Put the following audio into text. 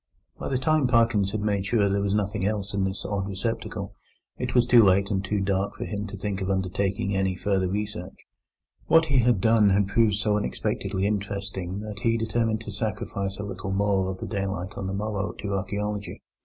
By the time Parkins had made sure that there was nothing else in this odd receptacle, it was too late and too dark for him to think of undertaking any further search. What he had done had proved so unexpectedly interesting that he determined to sacrifice a little more of the daylight on the morrow to archaeology.